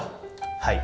はい。